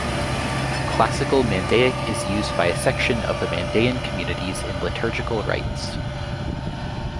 Classical Mandaic is used by a section of the Mandaean community in liturgical rites.